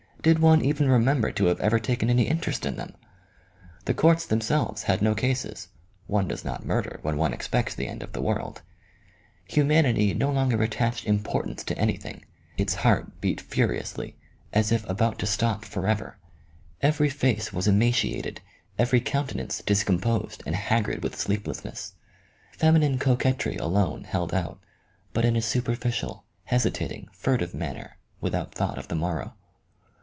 Did one even remember to have ever taken any interest in them ? The courts themselves had no cases ; one does not murder when one expects the end of the world. Humanity no longer attached importance to anything ; its heart beat furiously, as if about to stop forever. Every face was emaciated, every countenance discom posed, and haggard with sleeplessness. Feminine coquetry alone held out, but in a superficial, hesitating, furtive manner, without thought of the morrow.